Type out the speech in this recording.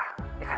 kasian abah kan